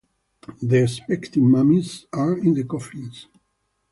The expected mummies are in the coffins.